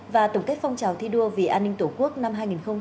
và tổng kết phong trào thi đua vì an ninh tổ quốc năm hai nghìn một mươi chín